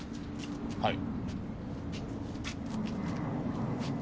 はい。